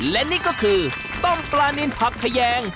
และนี่ก็คือต้มปลานินผักขยง